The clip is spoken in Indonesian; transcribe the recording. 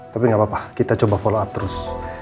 tapi gak apa apa kita coba follow up terus